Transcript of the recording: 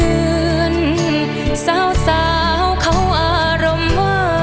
เอิญเซาเขาอารมณ์